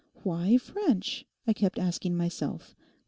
"Why French?" I kept asking myself.